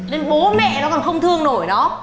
nên bố mẹ nó còn không thương nổi nó